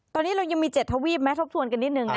ตอนนี้เรายังมี๗ทวีปไหมทบทวนกันนิดนึง